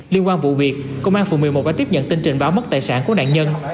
liên quan vụ việc công an phường một mươi một đã tiếp nhận tin trình báo mất tài sản của nạn nhân